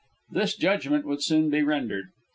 This judgment would soon be rendered.